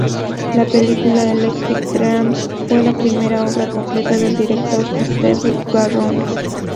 La película "Electric Dreams" fue la primera obra completa del director Steve Barron.